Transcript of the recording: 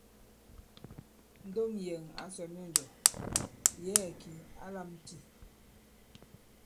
Ndom yɛ̀ŋ ǎ sɔ̀ myɔnjɔ̀, yɛ̌ɛ̀ kì ǎ lām tî.